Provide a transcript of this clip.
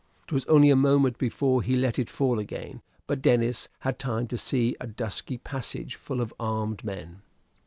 It was only a moment before he let it fall again; but Denis had time to see a dusky passage full of armed men.